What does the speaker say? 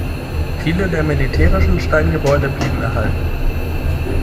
Viele der militärischen Steingebäude blieben erhalten.